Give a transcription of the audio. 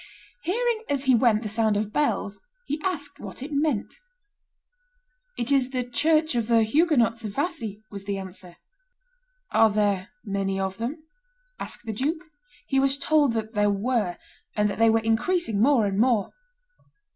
Hearing, as he went, the sound of bells, he asked what it meant. "It is the church of the Huguenots of Vassy," was the answer. "Are there many of them?" asked the duke. He was told that there were, and that they were increasing more and more.